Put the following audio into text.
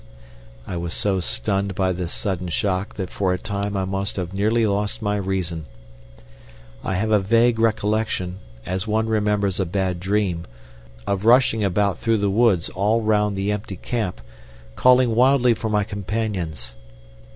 I was so stunned by this sudden shock that for a time I must have nearly lost my reason. I have a vague recollection, as one remembers a bad dream, of rushing about through the woods all round the empty camp, calling wildly for my companions.